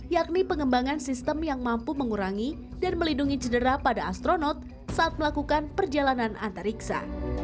yakni pengembangan sistem yang mampu mengurangi dan melindungi cedera pada astronot saat melakukan perjalanan antariksa